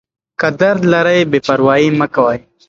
که درد لرئ بې پروايي مه کوئ.